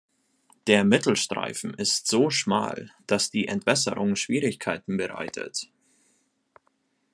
Der Mittelstreifen ist so schmal, dass die Entwässerung Schwierigkeiten bereitet.